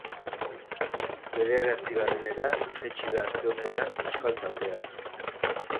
Bederatzigarrenera jaitsi da aste honetan euskal taldea.